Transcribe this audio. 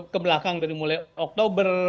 kebelakang dari mulai oktober